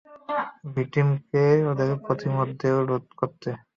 ডি-টিমকে বলো ওদেরকে পথিমধ্যে রোধ করতে।